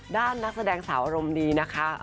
นักแสดงสาวอารมณ์ดีนะคะ